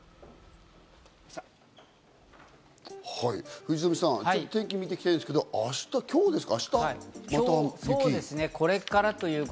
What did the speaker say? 藤富さん、天気を見ていきたいんですけど、明日、今日ですか？